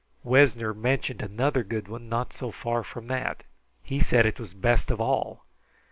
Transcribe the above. Wessner mentioned another good one not so far from that. He said it was best of all.